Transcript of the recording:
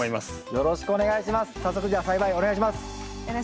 よろしくお願いします。